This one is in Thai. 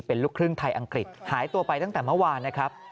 เป็นลูกครึ่งไทยอังกฤษหายตัวไปตั้งแต่เมื่อวานนะครับ